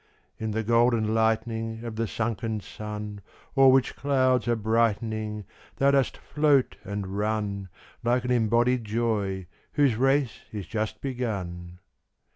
In the golden lightning Of the sunken sun, O'er which clouds are brightening, Thou dost float and run, Like an embodied joy whose race is just begun.